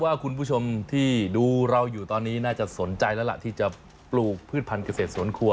ว่าคุณผู้ชมที่ดูเราอยู่ตอนนี้น่าจะสนใจแล้วล่ะที่จะปลูกพืชพันธุเกษตรสวนครัว